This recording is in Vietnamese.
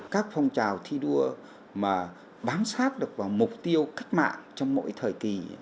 các phong trào thi đua mà bám sát được vào mục tiêu cách mạng trong mỗi thời kỳ